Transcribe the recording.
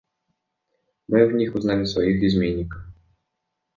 Мы в них узнали своих изменников.